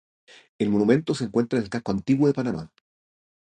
El monumento se encuentra en el Casco Antiguo de Panamá.